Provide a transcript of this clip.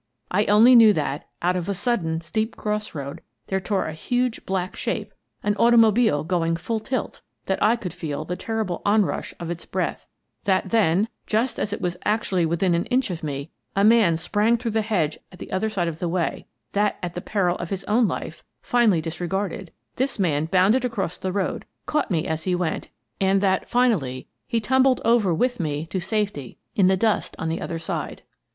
I only knew that, out of a sudden, steep cross road, there tore a huge, black shape — an automo bile going full tilt; — that I could feel the terrible onrush of its breath; that then, just as it was actually within an inch of me, a man sprang through the hedge at the other side of the way ; that at the peril of his own life, finely disregarded, this man bounded across the road, caught me as he went, and that, finally, he tumbled over with me to safety in the dust on the other side.